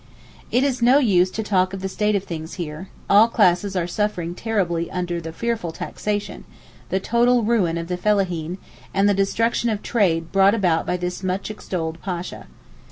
It is no use to talk of the state of things here; all classes are suffering terribly under the fearful taxation, the total ruin of the fellaheen, and the destruction of trade brought about by this much extolled Pasha.